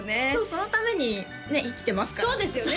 そのためにね生きてますからそうですよね